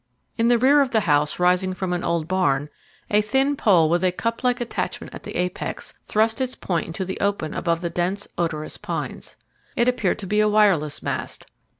In the rear of the house, rising from an old barn, a thin pole with a cup like attachment at the apex, thrust its point into the open above the dense, odorous pines. It appeared to be a wireless mast.